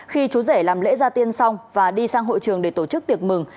khi chú rể làm lễ gia tiên xong và đi sang hội trường để tổ chức tiệc mừng